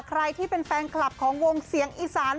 ใครที่เป็นแฟนคลับของวงเสียงอีสาน